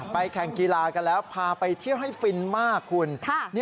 แข่งกีฬากันแล้วพาไปเที่ยวให้ฟินมากคุณ